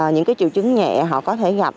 những triệu chứng nhẹ họ có thể gặp